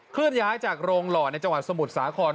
เลื่อนย้ายจากโรงหล่อในจังหวัดสมุทรสาคร